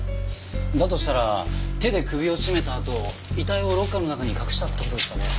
だとしたら手で首を絞めたあと遺体をロッカーの中に隠したって事ですかね？